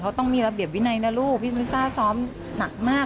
เขาต้องมีระเบียบวินัยนะลูกพี่ลิซ่าซ้อมหนักมาก